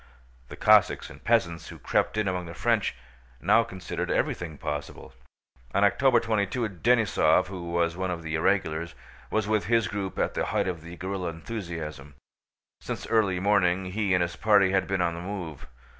The Cossacks and peasants who crept in among the French now considered everything possible. On October 22, Denísov (who was one of the irregulars) was with his group at the height of the guerrilla enthusiasm. Since early morning he and his party had been on the move.